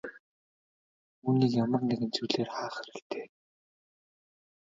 Үүнийг ямар нэгэн зүйлээр хаах хэрэгтэй.